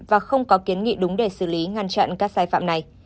và không có kiến nghị đúng để xử lý ngăn chặn các sai phạm này